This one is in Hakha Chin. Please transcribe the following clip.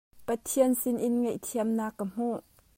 Pathian sinin ngaihthiamnak kan hmuh.